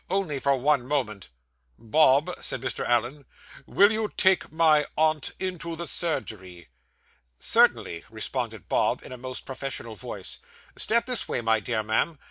Only for one moment.' 'Bob,' said Mr. Allen, 'will you take my aunt into the surgery?' 'Certainly,' responded Bob, in a most professional voice. 'Step this way, my dear ma'am.